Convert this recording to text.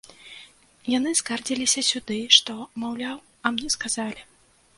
Яны скардзіліся сюды, што, маўляў, а мне сказалі.